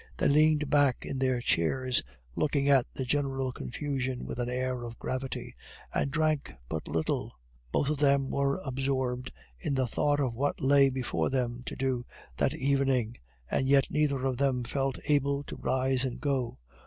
They leaned back in their chairs, looking at the general confusion with an air of gravity, and drank but little; both of them were absorbed in the thought of what lay before them to do that evening, and yet neither of them felt able to rise and go.